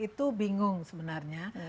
itu bingung sebenarnya